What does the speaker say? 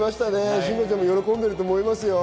慎吾ちゃんも喜んでると思いますよ。